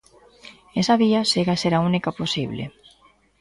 Esa vía segue a ser a única posible.